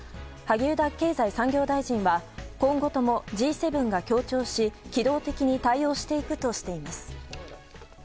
萩生田経済産業大臣は今後ともＧ７が協調し機動的に対応していくとしています。